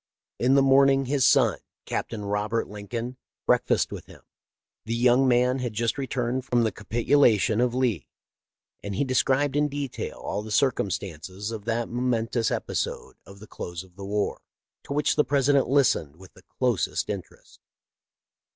In the morning his son. Captain Robert Lincoln, break fasted with him. The young man had just returned from the capitulation of Lee, and' he described in detail all the circumstances of that momentous episode of the close of the war, to which the President listened with the closest interest.